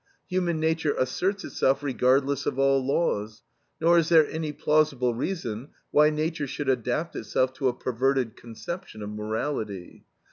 Human nature asserts itself regardless of all laws, nor is there any plausible reason why nature should adapt itself to a perverted conception of morality.